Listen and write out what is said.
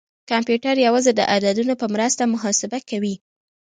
کمپیوټر یوازې د عددونو په مرسته محاسبه کوي.